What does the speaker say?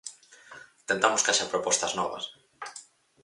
Tentamos que haxa propostas novas.